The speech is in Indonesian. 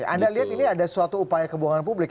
anda lihat ini ada suatu upaya kebohongan publik